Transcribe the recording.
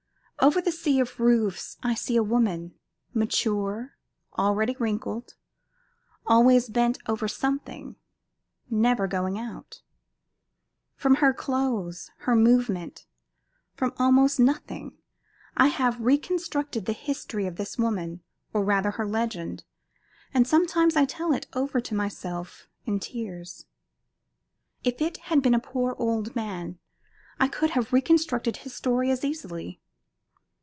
Over the sea of roofs I see a woman, mature, already wrinkled, always bent over something, never going out. From her clothes, her movement, from almost nothing, I have reconstructed the history of this woman, or rather her legend, and sometimes I tell it over to myself in tears. If it had been a poor old man I could have reconstructed his story as easily.